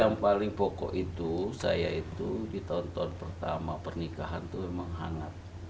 yang paling pokok itu saya itu di tahun tahun pertama pernikahan itu memang hangat